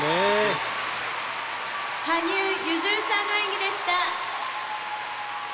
「羽生結弦さんの演技でした」。